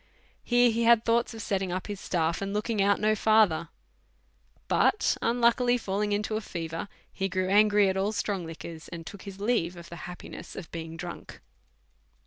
Here he had thoughts of setting up his staff, and look ing out no further ; but unluckily falling into a fever, he grew angry at all strong liquors, and took his leave of the happiness of being drunk.